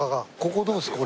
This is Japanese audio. ここどうですか？